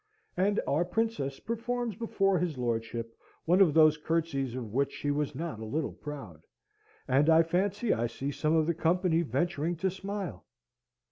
And our princess performs before his lordship one of those curtseys of which she was not a little proud; and I fancy I see some of the company venturing to smile.